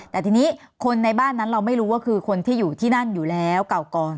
แต่ทีนี้คนในบ้านนั้นเราไม่รู้ว่าคือคนที่อยู่ที่นั่นอยู่แล้วเก่าก่อน